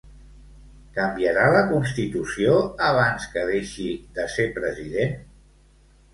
Canviarà la Constitució abans que deixi de ser president?